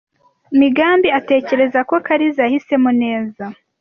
Migambi atekereza ko Kariza yahisemo neza.